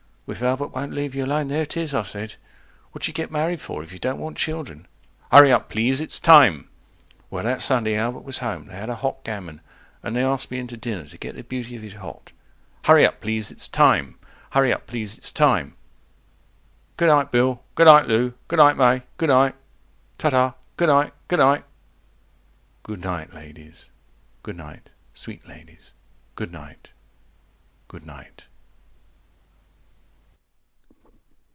Well, if Albert won't leave you alone, there it is, I said, What you get married for if you don't want children? HURRY UP PLEASE ITS TIME 165 Well, that Sunday Albert was home, they had a hot gammon, And they asked me in to dinner, to get the beauty of it hot— HURRY UP PLEASE ITS TIME HURRY UP PLEASE ITS TIME Goonight Bill. Goonight Lou. Goonight May. Goonight. 170 Ta ta. Goonight. Goonight. Good night, ladies, good night, sweet ladies, good night, good night.